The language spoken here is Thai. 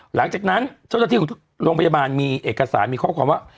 หลังจากนั้นเจ้าหน้าที่ของทุกโรงพยาบาลมีเอกสารมีข้อความว่า